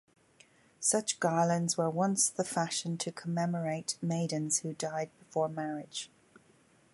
Such garlands were once the fashion to commemorate maidens who died before marriage.